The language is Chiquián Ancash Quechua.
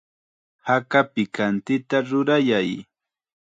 Haka pikantita rurayay.